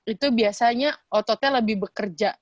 itu biasanya ototnya lebih bekerja